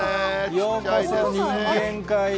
ようこそ、人間界へ。